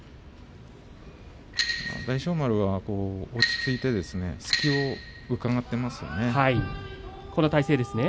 大翔丸は落ち着いて隙をうかがっていますよね。